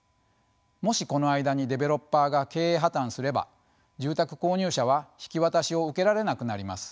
もしこの間にデベロッパーが経営破綻すれば住宅購入者は引き渡しを受けられなくなります。